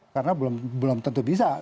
karena belum tentu bisa